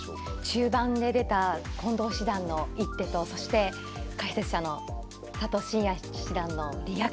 中盤で出た近藤七段の一手とそして解説者の佐藤紳哉七段のリアクションに注目です。